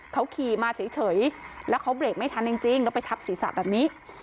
เขาขี่มาเฉยแล้วเขาเบรกไม่ทันจริงแล้วไปทับศีรษะแบบนี้